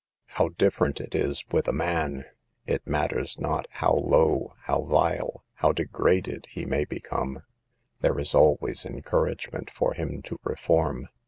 How different it is with a man. It matters not how low, how vile, how degraded he may A PAGE EBOM KEAL LIFE. 81 become, there is always encouragement for him to reform.